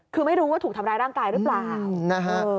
คือไม่รู้ว่าถูกทำร้ายร่างกายหรือเปล่านะฮะ